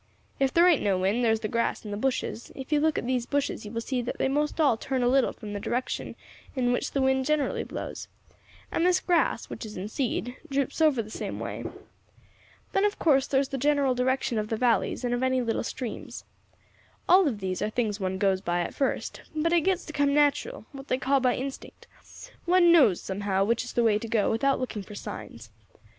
If there ain't no wind, there's the grass and the bushes; if you look at these bushes you will see that they most all turn a little from the direction in which the wind generally blows, and this grass, which is in seed, droops over the same way. Then, in course, there is the general direction of the valleys, and of any little streams. All of these are things one goes by at first, but it gets to come natural, what they call by instinct; one knows, somehow, which is the way to go without looking for signs.